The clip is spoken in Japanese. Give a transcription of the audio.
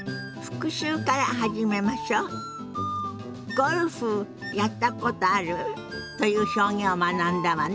「ゴルフやったことある？」という表現を学んだわね。